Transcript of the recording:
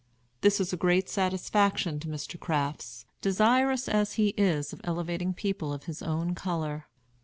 This is a great satisfaction to Mr. Crafts, desirous as he is of elevating people of his own color.